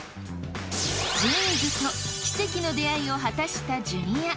ジーンズと奇跡の出合いを果たしたジュニア。